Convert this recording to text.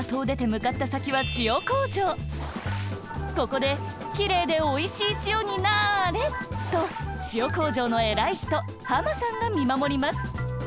ここで「きれいでおいしい塩になれ！」と塩工場のえらい人ハマさんがみまもります。